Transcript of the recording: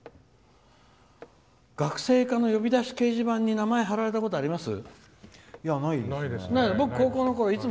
学生課の呼び出し掲示板に名前張られたことあります？